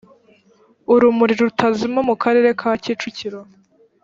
urumuri rutazima mu karere ka kicukiro